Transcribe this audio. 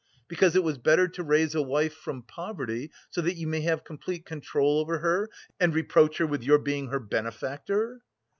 because it was better to raise a wife from poverty, so that you may have complete control over her, and reproach her with your being her benefactor?"